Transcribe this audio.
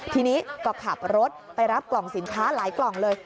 ทีนี้ก็ขับรถไปรับกล่องสินค้าหลายกล่องเลย